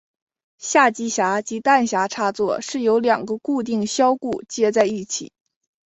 下机匣及弹匣插座是由两个固定销固接在一起。